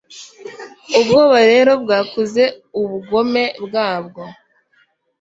Ubwoba rero bwakuze ubugome bwabwo